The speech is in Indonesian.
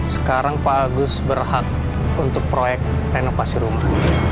sekarang pak gus berhak untuk proyek renovasi rumah